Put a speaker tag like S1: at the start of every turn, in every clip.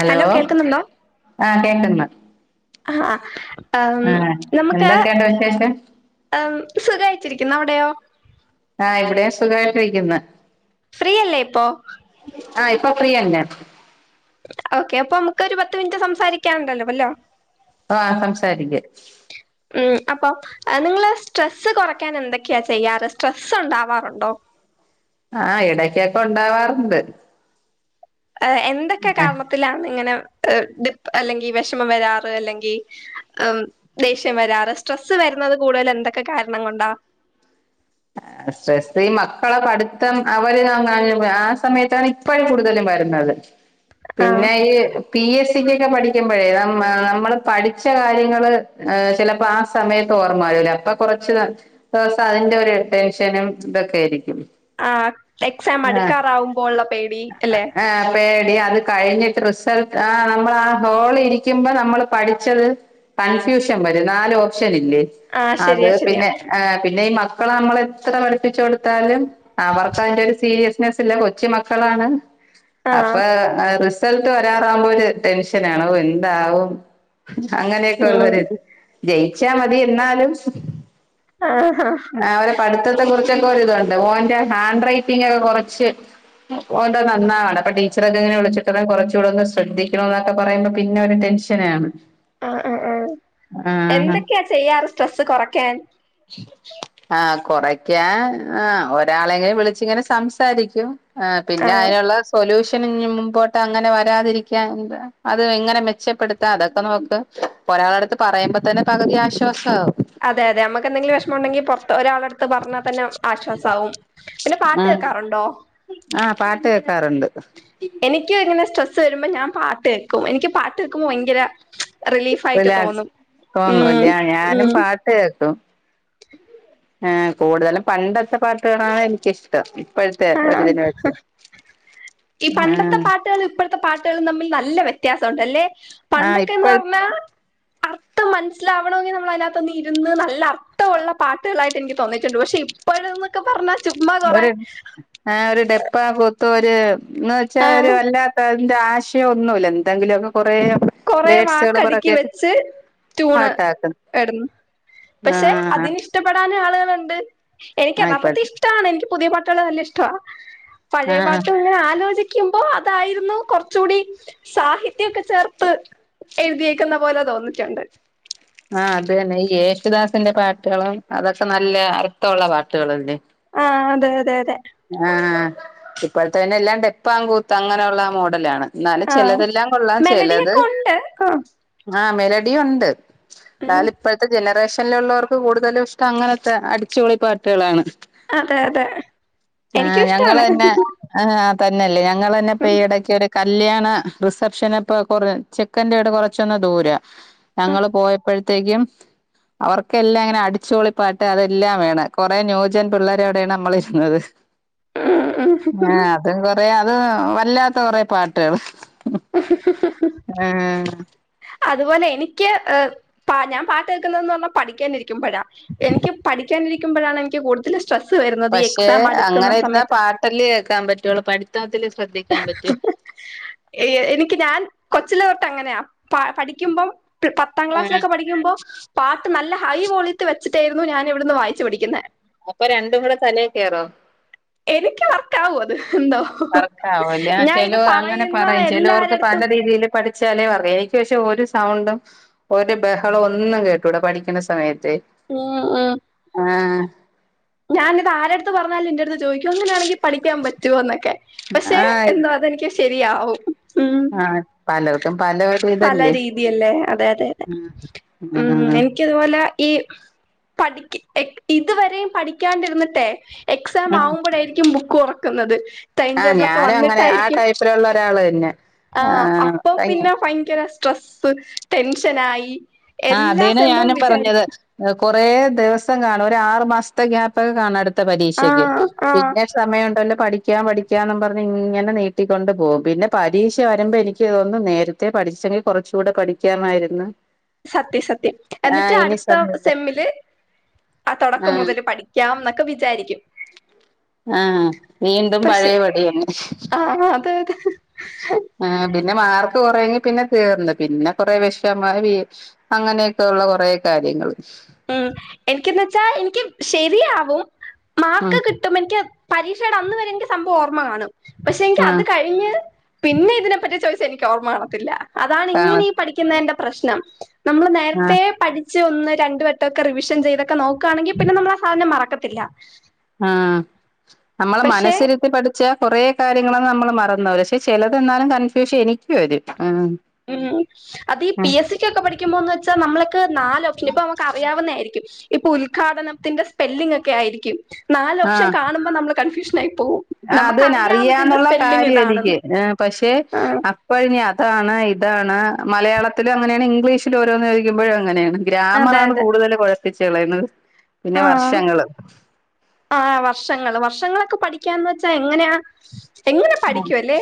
S1: Hello ആഹ് കേക്കന്ന്
S2: ആഹ് ആഹ് നമുക്ക്
S1: എന്തൊക്കെയുണ്ട് വിശേഷം
S2: ആഹ് സുഖായിട്ടിരിക്കുന്നു അവിടെയോ
S1: ആഹ് ഇവിടേം സുഖമായിട്ടിരിക്കുന്ന്
S2: ഫ്രീയല്ലേ ഇപ്പൊ
S1: ആഹ് ഇപ്പൊ ഫ്രീയന്നെ
S2: ഓക്കെ അപ്പൊ നമ്മക്കൊരു പത്ത് മിനിറ്റ് സംസാരിക്കാനുണ്ടല്ലോ അല്ലോ
S1: ആഹ് സംസാരിക്ക.
S2: ഉം അപ്പൊ. നിങ്ങള് സ്ട്രെസ്സ് കുറയ്ക്കാൻ എന്തൊക്കെയാ ചെയ്യാറ് സ്ട്രെസ്സ് ഉണ്ടാവാറുണ്ടോ?
S1: ആഹ ഇടക്കൊക്കെ ഉണ്ടാവാറുണ്ട്.
S2: എന്തൊക്കെ കാരണത്തിലാണ് ഇങ്ങനെ ഡി പ് അല്ലെങ്കിൽ വിഷമം വരാറ് അല്ലെങ്കിൽ- ദേഷ്യം വരാറ് സ്ട്രെസ്സ് വരുന്നത് കൂടുതൽ എന്തൊക്കെ കാരണം കൊണ്ടാ?
S1: സ്രെസ്സ് ഈ മക്കളെ പഠിത്തം അവര് ആ സമയത്താണ് ഇപ്പോഴും കൂടുതലും വരുന്നത്.
S2: [inaudible]
S1: പിന്നെ ഈ- പി എസ് സിക്ക്ക്കെ പഠിക്കുമ്പോഴേ നമ്മള് പഠിച്ച കാര്യങ്ങൾ ചിലപ്പൊ സമയത്ത് ഓർമ്മവരൂല അപ്പൊ കുറച്ച് ദിവസം അതിന്റെ ഒരു- ടെൻഷനും ഇതൊക്കെ ആയിരിക്കും.
S2: ആ എക്സാം
S1: ആഹ്
S2: അടുക്കാറാവുമ്പോൾ ഉള്ള പേടി അല്ലെ?
S1: ആ പേടി അത് കഴിഞ്ഞിട്ട് റിസൾട്ട് ആ നമ്മൾ ആ ഹോള ഇരിക്കുമ്പോ നമ്മൾ പഠിച്ചത്- കൺഫ്യൂഷൻ വരും നാല് ഓപ്ഷൻ ഇല്ലേ?
S2: ആ
S1: അത്
S2: ശരിയാ ശരിയാ
S1: പിന്നെ പിന്നെ ഈ മക്കളെ നമ്മളെ എത്ര പഠിപ്പിച്ചു കൊടുത്താലും- അവർക്ക് അതിന്റെ ഒരു സീരിയസ്നെസ് ഇല്ല കൊച്ചി മക്കളാണ്
S2: ആ
S1: അപ്പൊ റി റിസൾട്ട് ഒരാറാവുമ്പോ ഒരു ടെൻഷന ആണ് എന്താവും അങ്ങനെയൊക്കെ
S2: ഉം
S1: ഉള്ളരിത്. ജയിച്ചാ മതി എന്നാലും.
S2: ആഹഹ
S1: അവരെ പഠിത്തത്തെ കുറിച്ചൊക്കെ ഒരിതുണ്ട് ഓന്റെ ഹാൻഡ് റൈറ്റിംഗ ഒക്കെ കുറച്ച്- ഓന്റെ നന്നാണ് അപ്പ ടീച്ചറൊക്കെ എങ്ങനെ വിളിച്ചിട്ട് കുറച്ചുകോന്ന് ശ്രദ്ധിക്കണ എന്നൊക്കെ പറയുമ്പോ പിന്നെ ഒരു ടെൻഷൻ അച്ഛനാണ്
S2: ആ ആ ആ എന്തൊക്കെയാ ചെയ്യാറ് സ്ട്രെസ്സ് കുറയ്ക്കാൻ?
S1: ആഹ കുറക്കാൻ ആ ഒരാളെങ്ങനെ വിളിച്ച ഇങ്ങനെ സംസാരിക്കും. ആ പിന്നെ
S2: ആഹ്
S1: അയിനുള്ള സൊല്യൂഷന് മുമ്പോട്ട് അങ്ങനെ വരാതിരിക്കാൻ അത് എങ്ങനെ മെച്ചപ്പെടുത്താ അതൊക്കെ നോക്ക് ഒരാള അടുത്ത് പറയുമ്പ തന്നെ പകുതി ആശ്വാസാവും.
S2: അതെ അതെ നമക്ക് എന്തെങ്കിലും വിഷമം ഉണ്ടെങ്കിൽ പുറത്ത് ഒരാളെടുത്ത് പറഞ്ഞാൽ തന്നെ ആശ്വാസാവും. പിന്നെ പാട്ട് കേക്കാറുണ്ടോ?
S1: ആഹ പാട്ട് കേക്കാറുണ്ട്.
S2: എനിക്ക് ഇങ്ങനെ സ്ട്രെസ്സ് വരുമ്പോൾ ഞാൻ പാട്ട് കേൾക്കും എനിക്ക് പാട്ട് കേൾക്കുമ്പോൾ ഭയങ്കര- റിലീഫ് ആയിട്ട്
S1: റിലാക്സ്
S2: തോന്നും ഉം
S1: തോന്നൂല്ല ഞാനും
S2: ഉം
S1: പാട്ട് കേക്കും കൂടുതലും പണ്ടത്തെ പാട്ടുകളണാണ് എനിക്ക്ശ് ട്ടം ഇപ്പോഴത്തെ ഒരു
S2: ആഹ്
S1: ദിന വെച്ച ഉ
S2: ഇപ്പോഴത്തെ പാട്ടുകളും തമ്മിൽ നല്ല വ്യത്യാസുണ്ട് അല്ലെ
S1: ആഹ്
S2: പണ്ടൊക്കെന്ന് പറഞ്ഞാ
S1: ഇപ്പോഴത്തെ
S2: അർഥ- മനസ്സിലാവണമെങ്കിൽ നമ്മൾ അതിനകത്ത്ന്ന് ഇരുന്ന് നല്ലർത്ഥമുള്ള പാട്ടുകളായിട്ട് എനിക്ക് തോന്നിട്ടുണ്ട് പക്ഷേ- ഇപ്പോഴ ന്നൊക്കെ പറഞ്ഞാ- ചുമ്മാ കൊറെ
S1: ഒരു ആ ഒരു ഡെപ്പ കൂത്തര് എന്ന് വെച്ചാ ഒരു
S2: ആഹ്
S1: വല്ലാ അതിന്റെ ആശയം ഒന്നുമില്ല എന്തെങ്കിലുമൊക്കെ കൊറെ-
S2: കൊറെ
S1: വേഡസകൾ
S2: വാക്കടുക്കി
S1: പുറക്ക
S2: വെച്ച് ട്യൂണ്
S1: പാട്ടക്കന്ന്. ആഹ
S2: ഇഷ്ടപ്പെടാന ആളുകളുണ്ട്. എനിക്ക് യഥാപത്തെ
S1: ഇപ്പഴത്തെ
S2: ഇഷ്ടമാണ് എനിക്ക് പുതിയ പാട്ടുകൾ നല്ല ഇഷ്ട പഴയ
S1: ആഹ്
S2: പാട്ടും ഇങ്ങനെ ആലോചി- ക്കുമ്പോ അതായിരുന്നു കുറച്ച കൂടി സാഹിത്യം ഒക്കെ ചേ- ത്ത് എഴുതിയേക്കുന്ന പോലെ തോന്നിട്ടുണ്ട്.
S1: ആഹ അത് തന്നെ ഈ യേശുദാസിന്റെ പാട്ടുകളും അതൊക്കെ നല്ല അർത്ഥമുള്ള പാട്ടുകളല്ലേ.
S2: ആഹ് അതെ അതെ അതെ.
S1: ആഹ് ഇപ്പോഴത്തെ പിന്നെ എല്ലാം ടെപ്പാം കൂത്ത് അങ്ങനെയുള്ള മോഡലാണ്. എന്നാല്
S2: ആഹ്
S1: ചെലതെല്ലാം കൊള്ളാം ചെലത്.
S2: മെലഡിയൊക്കെ ഉണ്ട് ആഹ്
S1: ആഹ് മെലഡി ഒണ്ട്
S2: ഉം
S1: എന്നാലും ഇപ്പോഴത്തെ ജനറേഷനിലുള്ളവർക്ക് കൂടുതലും ഇഷ്ടം അങ്ങനത്തെ അടിച്ചുപൊളി പാട്ടുകളാണ്
S2: അതെ അതെ
S1: ആ്
S2: എനിക്കും
S1: ഞങ്ങൾ
S2: ഇഷ്ടാണ്
S1: തന്നെ ആ തന്നെയല്ലേ ഞങ്ങൾ തന്നെ ഇപ്പൊ
S2: ഉം
S1: ഈ ഇടയ്ക്കൊരു കല്യാണ റിസപ്ഷൻ ഇപ്പൊ കൊറെ ചെക്കന്റെ വീട് കൊറച്ചൊന്ന് ദൂര ഞങ്ങള് പോയപ്പഴത്തേക്കും അവർക്കെല്ലാം ഇങ്ങനെ അടിച്ചുപൊളിപ്പാട്ട് അതെല്ലാം വേണം, കുറേ ന്യൂജൻ പിള്ളേരെോടെയാണ് നമ്മൾ ഇരുന്നത്.
S2: ആഹ് ആ.
S1: ആ അതും കൊറേ, അതും വല്ലാത്ത കൊറേ പാട്ടുകൾ.
S2: ഉം
S1: ആഹ്.
S2: അതുപോലെ എനിക്ക് ഞാൻ പാട്ട് കേക്കുന്നന്ന് പറഞ്ഞാൽ പഠിക്കാനിരിക്കും. എനിക്ക് പഠിക്കാനിരിക്കുമ്പോഴാണ് എനിക്ക് കൂടുതൽ സ്ട്രെസ് വരുന്നത്. ഈ
S1: പക്ഷെ
S2: എക്സാം അടുക്കുന്ന
S1: അങ്ങനെ ഇരുന്നാ
S2: സമയത്ത്
S1: പാട്ടല്ലേ കേക്കാൻ പറ്റുള്ളൂ, പഠിത്തത്തില് ശ്രദ്ധിക്കാൻ പറ്റുമോ.
S2: എനിക്ക് ഞാൻ കൊച്ചിലെ തൊട്ട് അങ്ങനെയാ പഠിക്ക് പഠിക്കുമ്പോ പത്താം
S1: ആഹ്
S2: ക്ലാസ്സിലൊക്കെ പഠിക്കുമ്പോ. പാട്ട് നല്ല ഹൈ വോളിയത്തിൽ വെച്ചിട്ടായിരുന്നു, ഞാൻ ഇവിടെയിരുന്ന് വായിച്ച് പഠിക്കുന്നെ.
S1: അപ്പൊ രണ്ടും കൂടെ തലേ കേറോ.
S2: എനിക്ക് വർക്ക് ആവും അത് എന്തോ.
S1: വർക്കാവുല്ലേ
S2: ഞാൻ
S1: ചില
S2: ഇത്
S1: അങ്ങനെ
S2: പറയുന്ന
S1: പറയും ചിലവർക്ക് പല
S2: എല്ലാരടുത്തും
S1: രീതിയിൽ. പഠിച്ചാലേ പറയാ എനിക്ക് പക്ഷേ ഒരു സൗണ്ടും ഓന് ബഹളം ഒന്നും കേട്ടൂടാ പഠിക്ക്ണ സമയത്തെ
S2: ആഹ് ആഹ്.
S1: ആഹ്
S2: ഞാനിത് ഇത് ആരെട്ത്തു പറഞ്ഞാലും ഇന്റെ അടുത്ത് ചോയ്ക്ക്യും അങ്ങനെണെങ്കി പഠിക്ക്യാൻപറ്റോ എന്നൊക്കെ. പക്ഷേ
S1: ആഹ്
S2: എന്തോ അതെനിക്ക് ശരിയാവും ഉം
S1: ആഹ് പലർക്കും പല ഒരു
S2: പല
S1: ഇതല്ലേ
S2: രീ ന്തിയല്ലേ അതെ അതെ അതെ
S1: ആഹ്
S2: ഉം
S1: ആഹ്
S2: എനി ഇയ്ക്കതുപോലെ ഈ പഠിക് ഇതുവരെയും പഠിക്കാണ്ടിരുന്നിട്ടെ എക്സാം
S1: ആഹ്
S2: ആവുമ്പോഴായിരിക്കും ബുക്ക് തുറക്കുന്നത് ടൈം
S1: ആഹ്
S2: ടേബ്ളൊ ക്കെ
S1: ഞാനും അങ്ങനെ ആ
S2: വന്നിട്ടായിരിക്ക്യും
S1: ടൈപ്പിലുള്ള ഒരാള് തന്നെ
S2: ആഹ് അപ്പൊ പിന്നെ ഭയങ്കര സ്ട്രെസ്സ് ടെൻഷനായി
S1: ആഹ്
S2: എല്ലാ
S1: അതേനെ
S2: സെമ്മും
S1: ഞാനും പറഞ്ഞത്
S2: വിചാരിക്കും
S1: കൊറേ ദിവസം കാണും ഒരു ആറു മാസത്തെ ഗ്യാപ്പൊക്കെ കാണാം അടുത്ത പരീക്ഷയ്ക്ക്
S2: ആഹ് ആഹ്
S1: പിന്നെ സമയ്യണ്ടല്ലോ പഠിക്കാം പഠിക്കാംന്ന് പറഞ്ഞ് ഇങ്ങനെ നീട്ടിക്കൊണ്ട് പോകും പിന്നെ പരീക്ഷ വരുമ്പോ എനിക്ക് തോന്നും നേരത്തെ ച്ചെ പഠിച്ചെങ്കി കുറച്ചൂടെ പഠിക്ക്യാമായിരുന്നു.
S2: സത്യം സത്യം എന്നിട്ട് അട്ത്ത
S1: സമയമില്ല
S2: സെമ്മില് ആഹ് തുടക്കം മുതൽ പഠിക്കാം ന്നൊക്കെ വിചാരിക്കും
S1: ആഹ് വീണ്ടും
S2: പക്ഷെ
S1: പഴയപടി തന്നെ
S2: ആഹ് അതെതെ
S1: ആഹ് പിന്നെ മാർക്ക് കൊറയോങ്കി പിന്നെ തീർന്ന് പിന്നെ കൊറേ വിഷമ [unintelligible] അങ്ങനെയൊക്കെള്ള കൊറെ കാര്യങ്ങള്
S2: ഉം എനിക്കന്ന് വെച്ചാ എനിക്ക് ശരിയാവും
S1: ഉം
S2: മാർക്ക് കിട്ടും എനിക്ക് പരീക്ഷടെ അന്ന് വരെ എനിക്ക് സംഭവംഓരമ്മ കാണും പക്ഷേ എനിക്ക്
S1: ആഹ്
S2: അത് കഴി [unintelligible] പിന്നെ ഇതിന പറ്റി ചോയിച്ച എനിക്ക് ഓർമ്മ കാണത്തില്ല അതാണ്
S1: കാണ
S2: ഇങ്ങനെ ഈ പഠി ക്കുന്നേന്റ പ്രശ്നം നമ്മള്
S1: ആഹ്
S2: നേരത്തെ പഠിച്ച് ഒന്ന് രണ്ടവട്ടൊക്കെ റിവിഷൻ ചെയ്തൊക്കെ നോ ക്കാണെങ്കി പിന്നെ നമ്മളാ സാധനം മറക്കത്തില്ല
S1: ആഹ് നമ്മള്
S2: പക്ഷെ
S1: മനസ്സിരുത്തി പഠി ച്ച കൊറേ കാര്യങ്ങളങ്ങ് നമ്മള് മറന്ന് പോവൂലെ. പക്ഷേ ചിലത് എന്നാലും കൺഫ്യൂഷൻ എനിക്ക് വരും
S2: ഉം അത് ഈ പി എസ് സി കൊക്കെ പഠി ക്കുമോന്ന് വച്ചാനമ്മളക്ക് നാലോപ്‌ഷനാ ഇപ്പമക്ക് അറിയാവുന്നേരിക്കും. ഇപ്പൊ ഉദ്ഘാടനത്തിന്റെ സ്പെല്ലിംഗ ഒക്കെ ആയിരിക്ക്യും നാലോപ്ഷൻ
S1: ആഹ്
S2: കാണുമ്പോ നമ്മൾ കൺഫ്യൂഷൻ ആയി പോവും.
S1: ആഹ് അത് തന്നെ
S2: നമുക്കറിയാം ഇതിന്റെ
S1: അറിയാന്നുള്ള
S2: സ്പെല്ലിങ് ഇതാണെന്ന്
S1: കാര്യായിരിക്കും പക്ഷെ
S2: ആ
S1: ഇപ്പൊയ്ന് അതാണ് ഇതാണ് മലയാളത്തിലും അങ്ങനെണ് ഇംഗ്ലീഷില ഓരോന്ന് ചോദിക്കുമ്പോഴും അങ്ങനേണ്
S2: അതെ
S1: ഗ്രാമറാണ്
S2: അതെ
S1: കൂടുതൽ കുഴപ്പിച്ച് കളയുന്നത് പിന്നെ
S2: ആഹ്
S1: വർഷങ്ങള്
S2: ആഹ് വർഷങ്ങള് വർഷങ്ങളൊക്കെ പഠിക്കാന്ന് വെച്ചാ എങ്ങനെയാ എങ്ങനെ
S1: ഉം
S2: പഠിക്കുംല്ലേ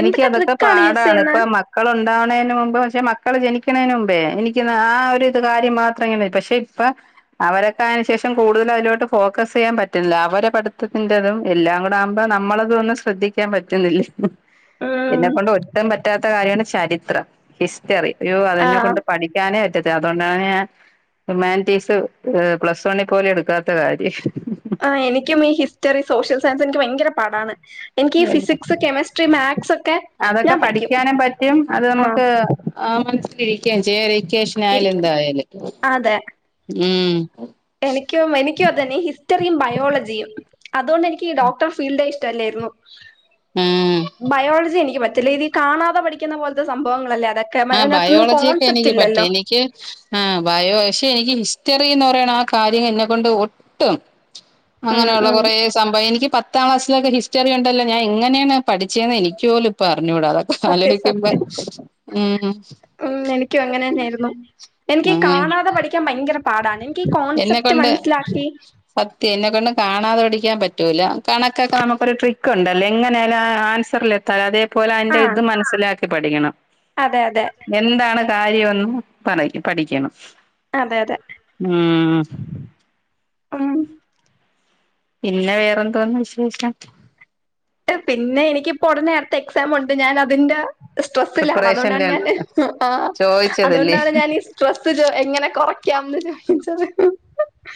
S2: എന്തൊക്കെ ട്രിക്ക് ആണ് യൂസ് ചെയ്യുന്നത്
S1: മക്കള ഉണ്ടാവുന്നേതിനന് മുമ്പ് പക്ഷെ മക്കള് ജനിക്കുന്നതിനന് മുമ്പേ എനിക്ക് ആ ഒരു ഇത് കാര്യം മാത്രം ഇങ്ങനെ പക്ഷെ ഇപ്പ അവരൊക്കെ അതിനു ശേഷം കൂടുതൽ അതിലോട്ട് ഫോക്കസ് ചെയ്യാൻ പറ്റുന്നില്ല അവരെ പഠിത്തത്തിന്റെറതും എല്ലാം കൂടെ ആകുമ്പോ നമ്മളതൊന്ന് ശ്രദ്ധിക്ക ൻ പറ്റുന്നില്ലേ
S2: ഉം
S1: എന്നെ കൊണ്ട് ഒട്ടും പറ്റാത്ത കാര്യാണ് ചരിത്രം ഹിസ്റ്ററി അയ്യോ അതെന്നെ
S2: ആഹ്
S1: കൊണ്ട് പഠിക്കാനേ പറ്റത്തി അതുകൊണ്ടാണ് ഞാൻ ഹ്യുമാനിറ്റീസ് പ്ലസ് വണ്ണിൽ പോലും എടുക്കാത്ത കാര്യം
S2: ആഹ് എനിക്കും ഈ ഹിസ്റ്ററി സോഷ്യൽ സയൻസ് എനിക്ക് ഭയങ്കര പാടാണ് എനിക്ക് ഈ
S1: അല്ലേ
S2: ഫിസിക്സ് കെമിസ്ട്രി മാത്സ് ഒക്കെ
S1: അതൊക്കെ
S2: ഞാൻ പഠിക്കും
S1: പഠിക്കാനും പറ്റും അത്
S2: ആഹ്
S1: നമുക്ക് ആഹ് മനസ്സിലിരിക്കേം ചെയ്യും റിക്കേഷനായാലും
S2: ഇരിക്ക്
S1: എന്തായാലും ഉം
S2: എനിക്ക് എനിക്കും അതുന്നെ ഹിസ്റ്ററിയും ബയോളജിയും അതുകൊണ്ട് എനിക്ക് ഈ ഡോക്ടർ ഫീൽഡേ ഇഷ്ടല്ലായിരുന്നു
S1: ഉം
S2: ബയോളജി എനിക്ക് പറ്റില്ല ഇത് കാണാതെ പഠിക്കുന്ന പോലത്തെ സംഭവങ്ങളല്ലേ അതൊക്കെ മ-
S1: ആഹ്
S2: അതിനകത്തൊന്നും
S1: ബയോളജിയൊക്കെ
S2: കോൺസെപ്റ്റ്
S1: എനിക്ക്
S2: ഇല്ലല്ലോ
S1: പറ്റും എനിക്ക് ആഹ് ബയോ പക്ഷെ എനിക്ക് ഹിസ്റ്ററീന്ന് പറയണ ആ കാര്യം എന്നെക്കൊണ്ട് ഒട്ടും
S2: ഉം
S1: അങ്ങനെയുള്ള
S2: ഉം
S1: കൊറേ സംഭവ എനിക്ക് പത്താം ക്ലാസിലൊക്കെ ഹിസ്റ്ററിണ്ടല്ല ഞാൻ എങ്ങനെയാണ് പഠിച്ചേന്ന് എനിക്കോലും ഇപ്പോൾ അഞ്ഞൂടാ
S2: സത്യം
S1: ആലോജിക്കുമ്പം
S2: സത്യം
S1: ഉം
S2: ഉം എനിക്കും അങ്ങനെ തന്നെയായിരുന്നു എനിക്കീ
S1: അങ്ങനെ
S2: കാണാതെ പഠിക്കാൻ ഭയങ്കര പാടാണ് എനിക്ക് ഈ
S1: എന്നെ
S2: കോൺസെപ്റ്റ്
S1: കൊണ്ട്
S2: മനസ്സിലാക്കി
S1: സത്യം എന്നെക്കൊണ്ടും കാണാതെ പഠിക്കാൻ പറ്റൂല കണക്കൊക്കെ നമുക്കൊരു ട്രിക്ക്ണ്ടല്ലോ എങ്ങനെയായാലും [unintelligible] പരാതിയെപോലെ
S2: ആ
S1: അയ്ന്റെ ഇത് മനസ്സിലാക്കി പഠിക്കണം
S2: അതെ അതെ
S1: എന്താണ് കാര്യൊയ്ന്നും പറയിക്ക് പഠിക്കണം
S2: അതെ അതെ
S1: ഉം
S2: ഉം
S1: പിന്നെ വേറെന്തോന്ന് വിശേഷം
S2: പിന്നെ എനിക്കിപ്പോ ഒടനെ അട്ത്ത എക്സാം ഒണ്ട് ഞാൻ അതിന്റെ സ്ട്രെസ്സിലാണ് അതോണ്ടാണ്
S1: പ്രിപ്പറേഷനില്
S2: ഞാന് ഹ് ആഹ്
S1: ചോദിച്ചതല്ലേ
S2: അതോണ്ടാണ് ഞാനിസ് സ്ട്രെസ്സ് ചോ എങ്ങനെ കൊറക്ക്യാംന്ന് ചോയിച്ചത്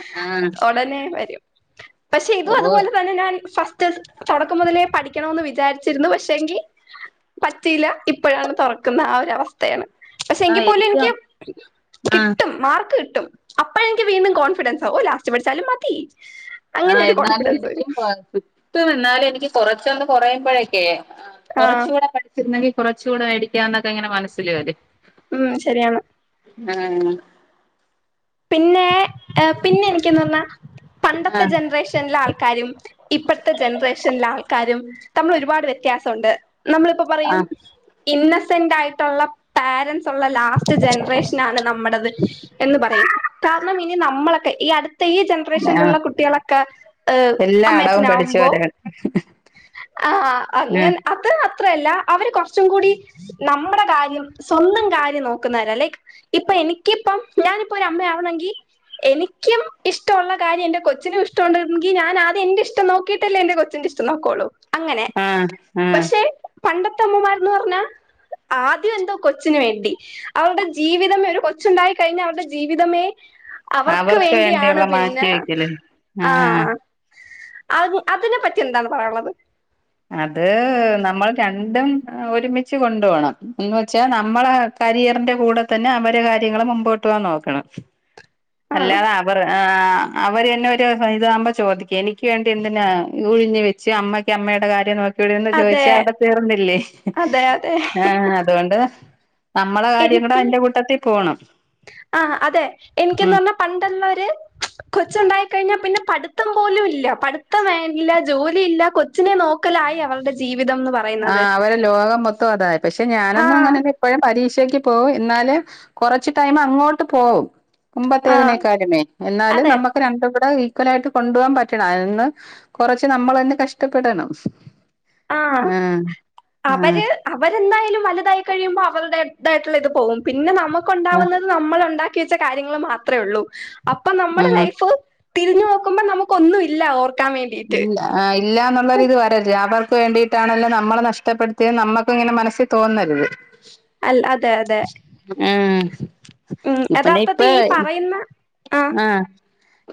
S1: അഹ് ആഹ്
S2: ഉടനെ വരും പക്ഷെ ഇതും
S1: ഓ
S2: അതുപോലെതന്നെ ഞാൻ ഫസ്റ്റ്‌സ് ക്കം മുതലേ പഠിക്ക്യണോന്ന് വിചാരിച്ചിരുന്നു പക്ഷെങ്കി പറ്റിയില്ല ഇപ്പഴാണ് തൊറക്ക്ന്ന ആ ഒരു അവസ്ഥേണ് പക്ഷെ
S1: ആഹ്
S2: എങ്കിപോലും
S1: എനിക്കും
S2: എനിക്ക്
S1: ആഹ്
S2: കിട്ടും മാർക്ക് കിട്ടും അപ്പ എനിക്ക് വീണ്ടും കോൺഫിഡൻസ് ആവും ഓഹ് ലാസ്റ്റ് പഠിച്ചാലും മതി അങ്ങനെ
S1: ആഹ്
S2: ഒരു
S1: എന്നാലു
S2: കോൺഫിഡൻസ് വരും
S1: എനിക്കും കോൺഫി ത്ത് നിന്നാലെനിക്ക് കൊറച്ചൊന്ന് കൊറയുമ്പഴെക്കെ ആഹ്
S2: ആ
S1: കൊറച്ചുടെ പഠി ച്ചിരുന്നെങ്കി കുറച്ചൂടെ മേടിക്ക്യാന്നൊക്കെ ഇങ്ങനെ മനസ്സില് വെരും
S2: ഉം ശരിയാണ്
S1: ആഹ് അങ്ങനെ
S2: പിന്നെ പിന്നെ എനിക്ക്യും തോന്ന്ന്നെ പണ്ടത്തെ ജൻറേഷൻലെ ആൾക്കാരും ഇപ്പഴ്ത്തെ ജൻറേഷൻലെ ആൾക്കാരും തമ്മിൽ ഒരുപാട് വ്യത്യാസവുണ്ട് നമ്മളിപ്പൊ പറയും
S1: ആഹ്
S2: ഇന്നസെന്റ് ആയിട്ടൊള്ള പാരന്റ്സൊള്ള ലാസ്റ്റ് ജൻറേഷ ഷ് നാണ് നമ്മടത് എന്ന് പറയും കാർണം ഇനി നമ്മളൊക്കെ ഈ അടുത്ത ഈ ജന്മ പ്രേഷൻള്
S1: ആഹ്
S2: ള്ള കുട്ടികളൊക്കെ എഹ്
S1: എല്ലാ
S2: അമ്മെ
S1: അടവും
S2: അച്ചനാവുമ്പോ
S1: പഠിച്ചവരാണ്
S2: ആഹ്
S1: ആഹ്
S2: അങ്ങെനെ അത് മാത്രല്ല അവര് കൊർച്ചും കൂടി നമ്മ്ടെ കാര്യം സ്വന്തം കാര്യം നോക്കുന്നവരാ ലൈക് ഇപ്പൊ എനിക്കിപ്പം ഞാനിപ്പൊരമ്മയാ വ്ണെങ്കി എനിക്ക്യും ഇഷ്ടവൊള്ള കാര്യം എന്റെ കൊച്ചിനും ഇഷ്ടവുണ്ട്ന്ന്ണ്ട്ങ്കി ഞാനാദ്യം എന്റെ ഇഷ്ടം നോക്കീട്ടല്ലേ എന്റെ കൊച്ചിന്റെ ഇഷ് ടം നോക്കൊളൂ അങ്ങനെ
S1: ആഹ് ആഹ്
S2: പക്ഷെ പണ്ടത്തെ അമ്മമാർന്ന് പർഞ്ഞാ ആദ്യം എന്തോ കൊച്ചിന് വേണ്ടി അവരുടെ ജീവിതമേ ഒരു കൊച്ചുണ്ടായി കഴിഞ്ഞാൽ അവര്ടെ ജീവിതമേ അവർക്ക് വേണ്ടിയാണ്
S1: വേണ്ടിയുള്ള
S2: പിന്നെ
S1: മാറ്റിവെക്കല്
S2: ആഹ് ആഹ് അത് അതിനെ പറ്റി എന്താണ് പറയാള്ളത്
S1: അത് നമ്മൾ രണ്ടും ഒരുമിച്ച് കൊണ്ട്പോണം എന്ന് വെച്ചാ നമ്മളെ കരിയറിന്റെ കൂടെ തന്നെ അവരെ കാര്യങ്ങള് മുമ്പോട്ടുവാൻ നോക്കണം
S2: ആഹ്
S1: അല്ലാതവർ അവര് തന്നെ ഒരുസം ഇതാവുമ്പോ ചോദിക്കും എനിക്ക് വേണ്ടി എന്തിനാ ഉഴിഞ്ഞ് വെച്ച് അമ്മയ്ക്ക് അമ്മെ ടെ കാര്യം നോക്കിക്കൂടെന്ന്
S2: അതെ
S1: ചോയ്ച്ചാ അവ്ടെ തീർന്നില്ലേ
S2: അതെ അതെ
S1: ആഹ് അതുകൊണ്ട് നമ്മളെ കാര്യം കൂടെ
S2: എനിക്ക്
S1: അത് ന്റെ കൂട്ടത്തി പോണം ഉം
S2: പണ്ട്ള്ളോര് കൊച്ചുണ്ടായി കഴിഞ്ഞാ പിന്നെ പഠ്ത്തം പോലും ഇല്ല പഠ്‌ത്തം വേ ഇല്ല ജോലി ഇല്ല കൊ ച്ചിനെ നോക്കലായി അവൾടെ ജീവിതംന്ന് പർ
S1: ആഹ് അവരെ ലോകം മൊത്തം അതായി പക്ഷെ
S2: ആ
S1: ഞാനൊന്നും അങ്ങനൊരു ഇപ്പഴും പരീക്ഷക്ക് പോവും എന്നാല് കുറച്ച് ടൈമ് അങ്ങോട്ട് പോവും
S2: ആ
S1: മുമ്പത്തേതിനേക്കാലുമേ എന്നാലും
S2: അതെ
S1: നമ്മ രണ്ടും കൂടെ ഈക്വലായിട്ട് കൊണ്ടു പോകാൻ പറ്റണം അതിന്ന് കൊറച്ച് നമ്മള് തന്നെ കഷ്ടപ്പെടണം
S2: ആഹ്
S1: ആഹ്
S2: അവര് അവരെന്തായാലും വലുതായി കഴിയുമ്പോൾ അവരുടേതായിട്ടുള്ള ഇത് പോകും പിന്നെ
S1: ആഹ്
S2: നമുക്കുണ്ടാവുന്നത് നമ്മളുണ്ടാ ക്കി വച്ച കാര്യങ്ങള് മാത്രേ ഉള്ളൂ അപ്പൊ നമ്മുടെ
S1: ആഹ്
S2: ലൈഫ് തിരിഞ്ഞ് നോക്കുമ്പോ നമുക്ക് ഒന്നും ഇല്ല ഓ
S1: ഇല്ല ആഹ് ഇല്ലാന്നുള്ളൊരിത് വാ അവർക്ക് വേണ്ടിട്ടാണല്ലോ അവർക്ക് വേണ്ടിയിട്ടാണല്ലോ നമ്മളെ നഷ്ടപ്പെടുത്തിയത് നമ്മക്ക്‌ ഇങ്ങനെ മനസ്സിൽ തോന്നരുത്
S2: അൽ അതെ അതെ
S1: ആഹ്
S2: ഉം
S1: ഇപ്പന്നെ
S2: യഥാർത്ഥത്തി
S1: ഇപ്പൊ
S2: ഈ പറയുന്ന
S1: ആഹ്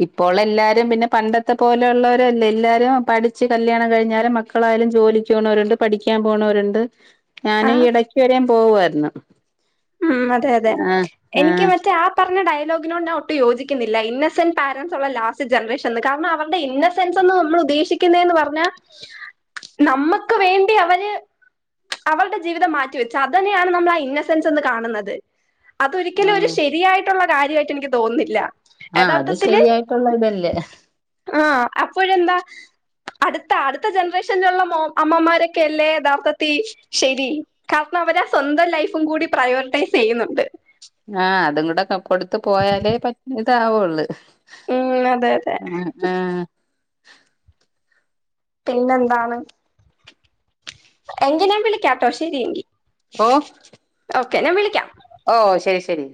S1: ഇപ്പോള് എല്ലാരും പിന്നെ പണ്ടത്തെ പോലെയുള്ള ല്ല എല്ലാരും പഠിച്ച് കല്യാണം കഴിഞ്ഞാലും മക്കളായാലും ജോലിക്ക് പോണവരുണ്ട് പഠിക്കാൻ പോണവരുണ്ട് ഞാനീ
S2: ആഹ്
S1: ഈ ഇടക്ക് വരെയും പോവായിരുന്നു
S2: ഉം അതെ അതെ എനിക്ക് മറ്റേ ആഹ് പറഞ്ഞ ഡയലോഗിനോട് ഞാൻ ഒട്ടും യോജിക്കുന്നില്ല ഇന്നസെന്റ് പാരൻറ്സ് ഉള്ള ലാസ്റ്റ് ജനറേഷനെന്ന് കാരണം അവരുടെ ഇന്ന സെൻസെന്ന് നമ്മള് ഉദ്ദേശിക്കുന്നതെന്ന് പറഞ്ഞാ നമ്മക്ക് വേണ്ടി അവര് അവളുടെ ജീവിതം മാറ്റിവെച്ചു അത് തന്നെയാണ് നമ്മളാ ഇന്ന സെൻസെന്ന് കാണുന്നത് അതൊരിക്കലും ഒരു
S1: ആഹ്
S2: ശരിയായിട്ടുള്ള കാര്യവായിട്ട് എനിക്ക് തോന്നുന്നില്ല
S1: ആഹ് അത്
S2: യഥാർത്ഥത്തില്
S1: ശരിയായിട്ടുള്ള ഇതല്ലേ
S2: ആഹ് അപ്പോഴെന്താ അടുത്ത അടുത്ത ജനറേഷനിലുള്ള മൊ അമ്മമാരൊക്കെയല്ലേ യഥാ ർത്ഥത്തിൽ ശരി കാരണം അവരാ സ്വന്തം ലൈഫും കൂടി പ്രയോറിറ്റൈസ് ചെയ്യുന്നുണ്ട്
S1: ആഹ് അതും കൂടെ കൊടുത്ത് പോയാലേ പറ്റ ഇതാവുള്ളു
S2: ഉം അതെ അതെ
S1: ആഹ്
S2: പിന്നെന്താണ് എങ്കി ഞാൻ വിളിക്കാട്ടോ ശരിയെങ്കി
S1: ഓഹ്
S2: ഓക്കെ ഞാൻ വിളിക്കാം
S1: ഓ ശരി ശരി